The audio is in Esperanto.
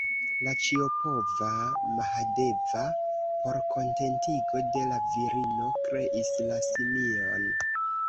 La ĉiopova Mahadeva por kontentigo de la virino kreis la simion.